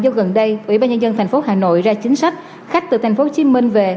do gần đây ủy ban nhân dân thành phố hà nội ra chính sách khách từ thành phố hồ chí minh về